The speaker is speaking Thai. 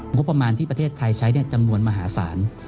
งบประมาณที่ประเทศไทยใช้จำนวนมหาศาล